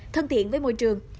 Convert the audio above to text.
thân thiện với môi trường